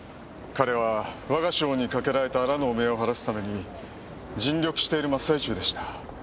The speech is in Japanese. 彼は我が省にかけられたあらぬ汚名を晴らすために尽力している真っ最中でした。